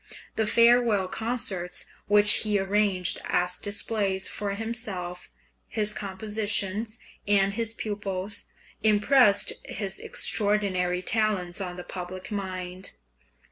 The farewell concerts which he arranged as displays for himself, his compositions, and his pupils, impressed his extraordinary talents on the public mind.